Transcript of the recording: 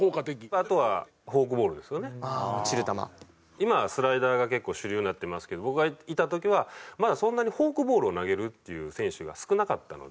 今はスライダーが結構主流になってますけど僕がいた時はまあそんなにフォークボールを投げるっていう選手が少なかったので。